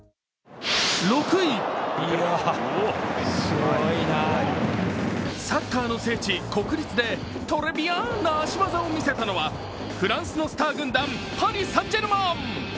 ６位、サッカーの聖地・国立でトレビアンな足技を見せたのはフランスのスター軍団、パリ・サン＝ジェルマン。